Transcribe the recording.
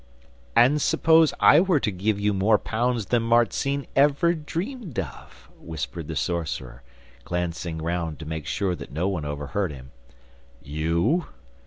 'And suppose I were to give you more pounds than Marzinne ever dreamed of?' whispered the sorcerer glancing round to make sure that no one overheard him. 'You?